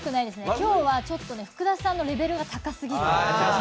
今日はちょっと福田さんのレベルが高すぎる。